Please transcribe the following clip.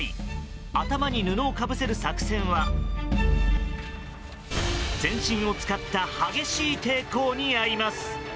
頭に布をかぶせる作戦は全身を使った激しい抵抗に遭います。